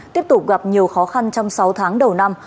tiếp tục gặp nhiều khó khăn trong sáu tháng đầu năm